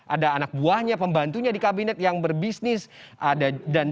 ada anak buahnya pembantunya di kabinet yang berbisnis dan diduga melakukan masalah